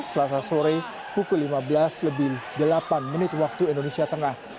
selasa sore pukul lima belas lebih delapan menit waktu indonesia tengah